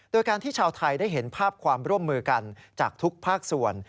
โดยการที่ชาวไทยได้เห็นภาพความร่วมมือกันจากทุกภาคส่วน